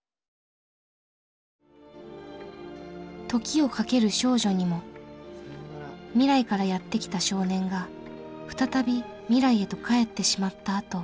「時をかける少女」にも未来からやって来た少年が再び未来へと帰ってしまったあと。